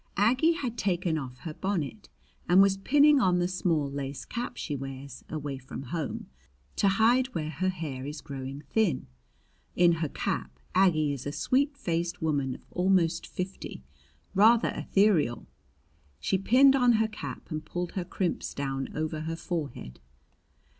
Aggie had taken off her bonnet and was pinning on the small lace cap she wears, away from home, to hide where her hair is growing thin. In her cap Aggie is a sweet faced woman of almost fifty, rather ethereal. She pinned on her cap and pulled her crimps down over her forehead.